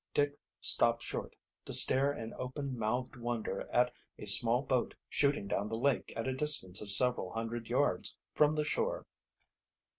Dick stopped short, to stare in open mouthed wonder at a small boat shooting down the lake at a distance of several hundred yards from the shore.